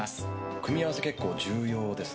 組み合わせ、結構重要ですね。